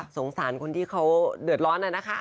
สงสารคนที่เขาเดือดร้อนน่ะนะคะ